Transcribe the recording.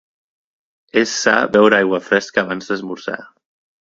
És sa beure aigua fresca abans d'esmorzar.